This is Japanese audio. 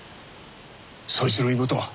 そいつの妹は。